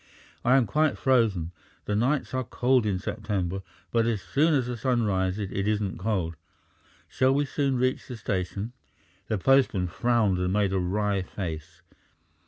"I am quite frozen. The nights are cold in September, but as soon as the sun rises it isn't cold. Shall we soon reach the station?" The postman frowned and made a wry face.